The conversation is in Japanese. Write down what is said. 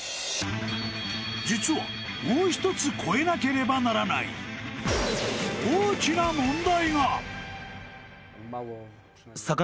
実はもう一つこえなければならない大きな問題が！